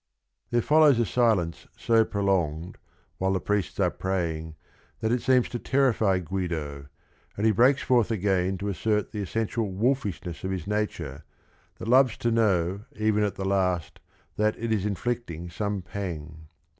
There follows a silence so prolonged while the priests are praying, that it seems to terrify Guido, and he breaks forth again to assert the essential wolfishness of his nature, that loves to know even at the last that it is inflicting some pang.